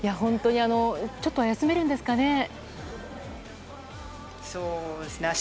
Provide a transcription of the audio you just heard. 本当にちょっとは休めるんですかね。